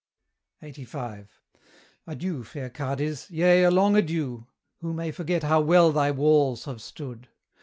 LXXXV. Adieu, fair Cadiz! yea, a long adieu! Who may forget how well thy walls have stood?